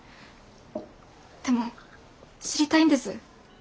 でも知りたいんです。